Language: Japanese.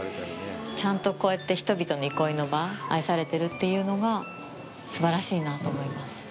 ちゃんとこうやって人々の憩いの場、愛されてるというのがすばらしいなと思います。